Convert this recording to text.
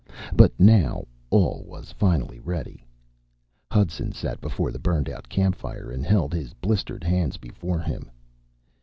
But now all was finally ready. Hudson sat before the burned out campfire and held his blistered hands before him.